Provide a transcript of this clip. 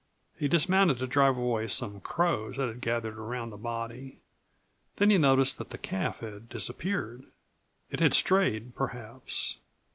He dismounted to drive away some crows that had gathered around the body. Then he noticed that the calf had disappeared. It had strayed, perhaps.